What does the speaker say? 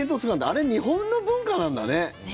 あれ、日本の文化なんだね。